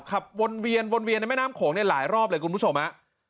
ขับวนเวียนวนเวียนในแม่น้ำโขงเนี่ยหลายรอบเลยคุณผู้ชมฮะ